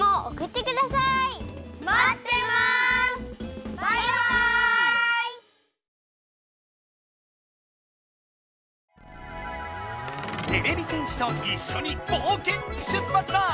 てれび戦士といっしょに冒険に出発だ！